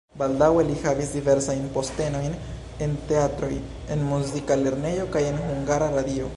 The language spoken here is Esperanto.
Baldaŭe li havis diversajn postenojn en teatroj, en muzika lernejo kaj en Hungara Radio.